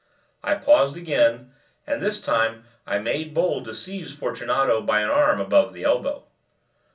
I paused again, and this time I made bold to seize Fortunato by an arm above the elbow.